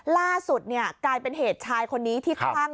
ล่าสุดกลายเป็นเหตุชายคนนี้ที่คลั่ง